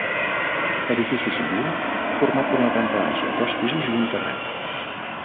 Edifici civil format per una planta baixa, dos pisos i un terrat.